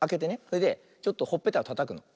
それでちょっとほっぺたをたたくの。